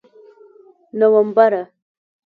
نومبره!